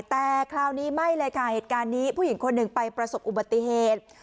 แต่คราวนี้ไม่เลยค่ะเหตุการณ์นี้ผู้หญิงคนหนึ่งไปประสบอุบัติเหตุ